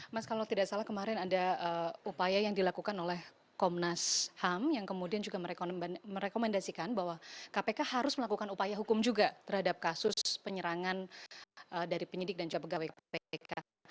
mas kalau tidak salah kemarin ada upaya yang dilakukan oleh komnas ham yang kemudian juga merekomendasikan bahwa kpk harus melakukan upaya hukum juga terhadap kasus penyerangan dari penyidik dan juga pegawai kpk